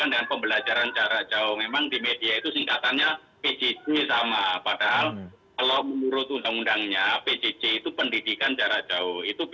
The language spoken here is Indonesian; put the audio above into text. yang kita lakukan itu